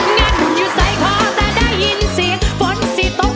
งั้นอยู่ใส่ข้อเดินได้ยินเสียงฝนสี่ตกฝ้าพามเรียงเหมือนกัน